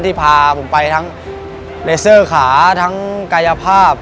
ที่พาผมไปทั้งเลเซอร์ขาทั้งกายภาพ